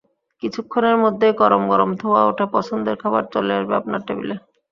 কিছুক্ষণের মধ্যেই গরম গরম ধোঁয়া ওঠা পছন্দের খাবার চলে আসবে আপনার টেবিলে।